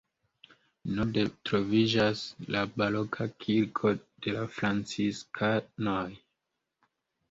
Norde troviĝas la baroka kirko de la franciskanoj.